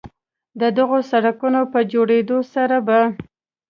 د دغو سړکونو په جوړېدو سره به